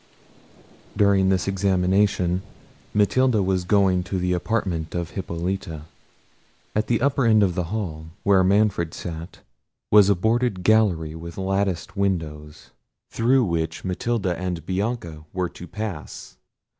During this examination, Matilda was going to the apartment of Hippolita. At the upper end of the hall, where Manfred sat, was a boarded gallery with latticed windows, through which Matilda and Bianca were to pass.